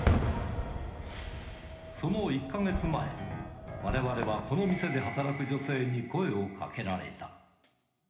その１か月前、われわれはこの店で働く女性に声をかけられた。